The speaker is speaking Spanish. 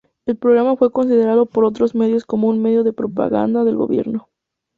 El programa fue considerado por otros medios como un medio de propaganda del Gobierno.